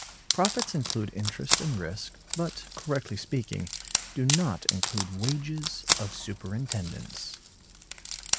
Profits include Interest and Risk; but, correctly speaking, do not include Wages of Superintendence.